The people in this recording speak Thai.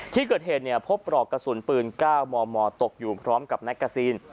ที่เกิดเหตุพบปลอกกระสุนปืน๙มมตกอยู่พร้อมกับแมกกาซีน